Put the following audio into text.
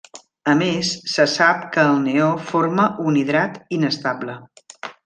A més, se sap que el neó forma un hidrat inestable.